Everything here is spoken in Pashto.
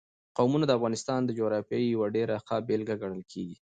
قومونه د افغانستان د جغرافیې یوه ډېره ښه بېلګه ګڼل کېږي.